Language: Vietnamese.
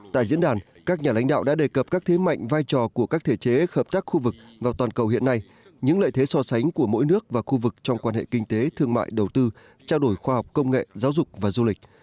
tại diễn đàn các nhà lãnh đạo đã đề cập các thế mạnh vai trò của các thể chế hợp tác khu vực và toàn cầu hiện nay những lợi thế so sánh của mỗi nước và khu vực trong quan hệ kinh tế thương mại đầu tư trao đổi khoa học công nghệ giáo dục và du lịch